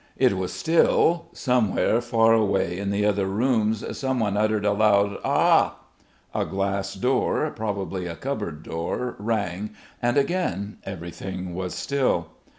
It was still.... Somewhere far away in the other rooms someone uttered a loud "Ah!" A glass door, probably a cupboard door, rang, and again everything was still.